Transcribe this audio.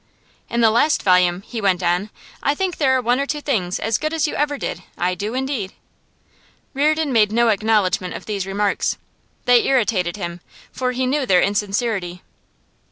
'In the last volume,' he went on, 'I think there are one or two things as good as you ever did; I do indeed.' Reardon made no acknowledgment of these remarks. They irritated him, for he knew their insincerity.